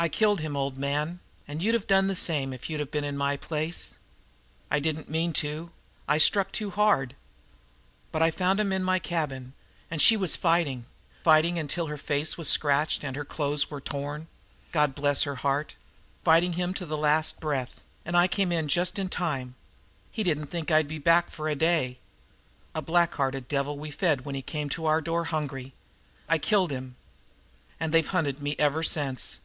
"I killed him, old man, an' you'd have done the same if you'd been in my place. I didn't mean to. I struck too hard. But I found 'im in my cabin, an' SHE was fighting fighting him until her face was scratched an' her clothes torn, God bless her dear heart! fighting him to the last breath, an' I come just in time! He didn't think I'd be back for a day a black hearted devil we'd fed when he came to our door hungry. I killed him. And they've hunted me ever since.